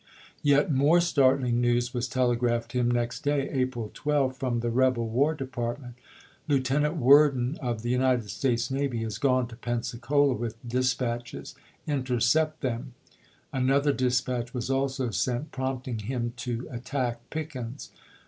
Yet more '^^^Ma^*'^' startling news was telegraphed him next day (April 12) from the rebel war department. " Lieutenant waiber to Worden of the United States navy has gone to Api.^Sei. W R. Vol Pensacola with dispatches. Intercept them." An i', p. 459. ' other dispatch was also sent prompting him to at tack Pickens.